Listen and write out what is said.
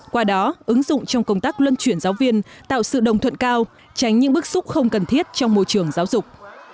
qua đó ứng dụng trong công tác luân chuyển giáo viên tạo sự đồng thuận cao tránh những bức xúc không cần thiết trong môi trường giáo dục